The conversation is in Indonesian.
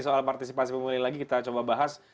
soal partisipasi pemilih lagi kita coba bahas